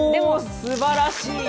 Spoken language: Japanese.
すばらしい！